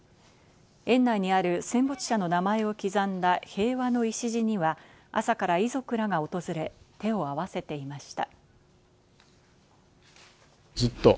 園内にある戦没者の名前を刻んだ平和の礎には、朝から遺族らが訪れ、手を合わせていました。